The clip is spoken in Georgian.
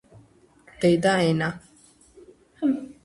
დედა ენა